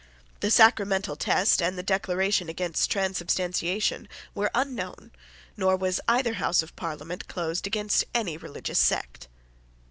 The sacramental test and the declaration against transubstantiation were unknown nor was either House of Parliament closed against any religious sect.